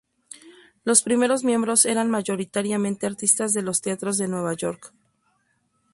Los primeros miembros eran mayoritariamente artistas de los teatros de Nueva York.